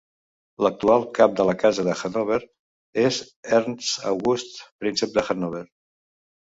L'actual cap de la Casa de Hannover és Ernst August, Príncep de Hannover.